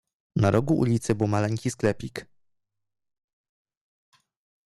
"Na rogu ulicy był maleńki sklepik."